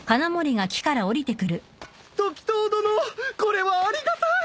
時透殿これはありがたい！